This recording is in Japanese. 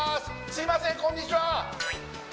すみませんこんにちはー！